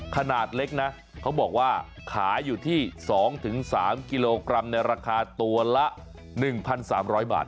ขนาดเล็กนะเขาบอกว่าขายอยู่ที่๒๓กิโลกรัมในราคาตัวละ๑๓๐๐บาท